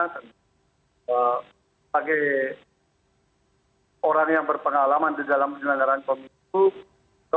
sebagai orang yang berpengalaman di dalam penyelenggaraan komunitas itu